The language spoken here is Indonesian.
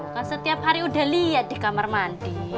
kan setiap hari udah lihat di kamar mandi